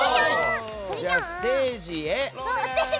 ステージへ！